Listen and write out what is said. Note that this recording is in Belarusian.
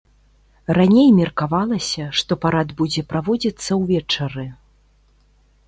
Раней меркавалася, што парад будзе праводзіцца ўвечары.